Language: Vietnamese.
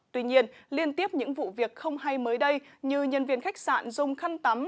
tuy nhiên liên tiếp những vụ việc không hay mới đây như nhân viên khách sạn dùng khăn tắm